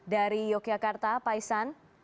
dari yogyakarta pak isan